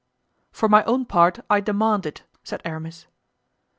"For my own part, I demand it," said Aramis.